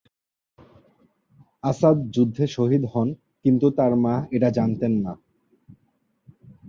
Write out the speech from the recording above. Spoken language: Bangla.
আসাদ যুদ্ধে শহিদ হন, কিন্তু তার মা এটা জানতেন না।